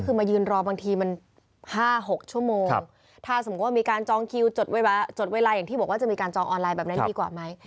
คือมายืนรอบางทีมัน๕๖ชั่วโมงถ้าสมมุติว่ามีการจองคิวจดเวลาอย่างที่บอกว่าจะมีการจองออนไลน์แบบนั้นดีกว่าไหม